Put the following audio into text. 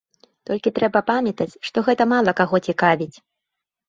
Толькі трэба памятаць, што гэта мала каго цікавіць.